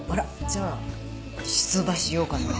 じゃあ出馬しようかな。